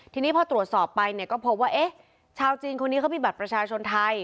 ทีนี้พอตรวจสอบไปเนี่ยก็พบว่าเอ๊ะชาวจีนคนนี้เขามีบัตรประชาชนไทย